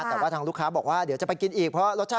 แต่ว่าทางลูกค้าบอกว่าเดี๋ยวจะไปกินอีก